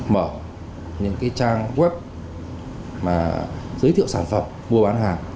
mở những cái trang web mà giới thiệu sản phẩm mua bán hàng